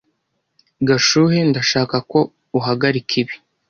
Gashuhe, ndashaka ko uhagarika ibi.